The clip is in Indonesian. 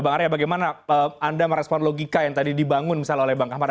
saya ingin tahu bagaimana anda merespon logika yang tadi dibangun misalnya oleh bang kamar